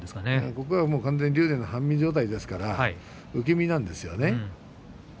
竜電は完全に半身状態ですから受け身なんですよね